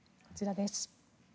こちらです。